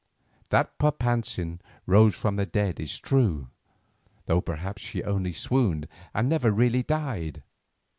That Papantzin rose from the dead is true, though perhaps she only swooned and never really died.